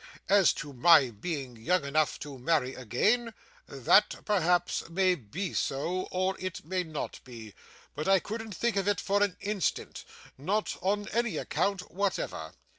As to my being young enough to marry again, that perhaps may be so, or it may not be; but I couldn't think of it for an instant, not on any account whatever.